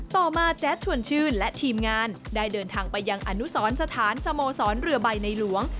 ต่อมาแจ๊ดชวนชื่นและทีมงานได้เดินทางไปยังอนุสรสถานสโมสรเรือใบในหลวง